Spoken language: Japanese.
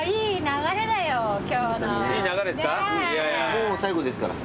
もう最後ですから。